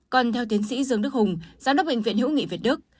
còn theo tiến sĩ dương đức hùng giám đốc bệnh viện hữu nghị việt đức